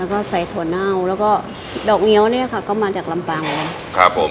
แล้วก็ใส่ถั่วเน่าแล้วก็ดอกเงี้ยวเนี่ยค่ะก็มาจากลำปางครับผม